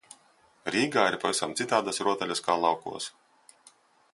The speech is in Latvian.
Rīgā ir pavisam citādas rotaļas kā laukos.